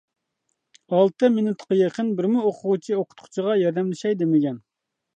ئالتە مىنۇتقا يېقىن بىرمۇ ئوقۇغۇچى ئوقۇتقۇچىغا ياردەملىشەي دېمىگەن.